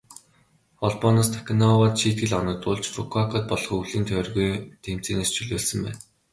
Холбооноос Таканоивад шийтгэл оногдуулж, Фүкүокад болох өвлийн тойргийн тэмцээнээс чөлөөлсөн байна.